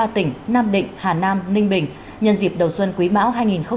ba tỉnh nam định hà nam ninh bình nhân dịp đầu xuân quý mão hai nghìn hai mươi ba